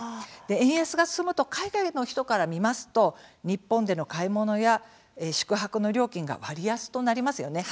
円安が進むと海外の人から見ますと日本での買い物や宿泊の料金が割安となりますよね。